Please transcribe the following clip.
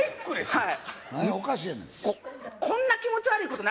はい